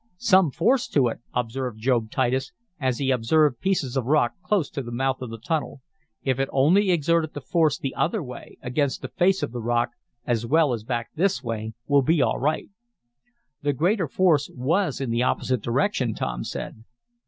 "Some force to it," observed Job Titus, as he observed pieces of rock close to the mouth of the tunnel. "If it only exerted the force the other way, against the face of the rock, as well as back this way, we'll be all right." "The greater force was in the opposite direction," Tom said.